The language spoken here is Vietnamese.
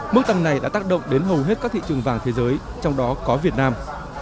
mức tăng này đã tác động đến hầu hết các thị trường vàng thế giới trong đó có việt nam